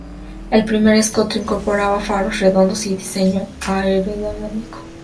El primer Escort incorporaba faros redondos y diseño aerodinámico.